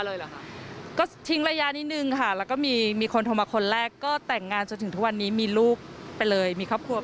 ก็ทิ้งระยะนิดนึงค่ะแล้วก็มีมีคนโทรมาคนแรกก็แต่งงานจนถึงทุกวันนี้มีลูกไปเลยมีครอบครัว